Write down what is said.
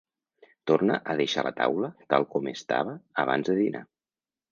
Torna a deixar la taula tal com estava abans de dinar.